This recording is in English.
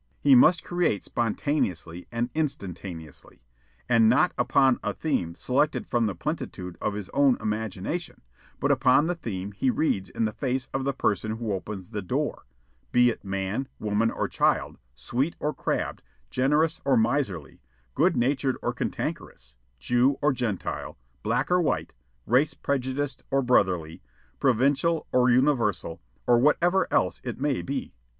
He must create spontaneously and instantaneously and not upon a theme selected from the plenitude of his own imagination, but upon the theme he reads in the face of the person who opens the door, be it man, woman, or child, sweet or crabbed, generous or miserly, good natured or cantankerous, Jew or Gentile, black or white, race prejudiced or brotherly, provincial or universal, or whatever else it may be.